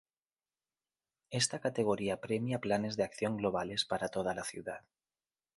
Esta categoría premia planes de acción globales para toda la ciudad.